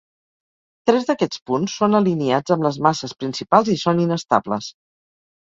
Tres d'aquests punts són alineats amb les masses principals i són inestables.